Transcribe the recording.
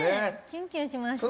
キュンキュンしました。